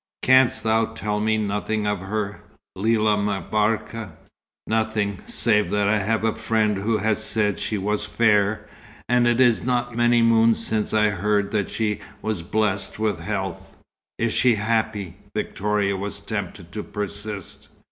"Canst thou tell me nothing of her, Lella M'Barka?" "Nothing, save that I have a friend who has said she was fair. And it is not many moons since I heard that she was blessed with health." "Is she happy?" Victoria was tempted to persist.